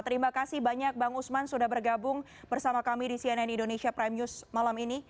terima kasih banyak bang usman sudah bergabung bersama kami di cnn indonesia prime news malam ini